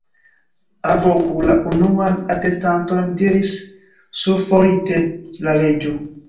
"Alvoku la unuan atestanton," diris suflorite la Reĝo.